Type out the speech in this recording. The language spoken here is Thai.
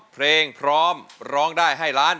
เพลงพร้อมร้องได้ให้ล้าน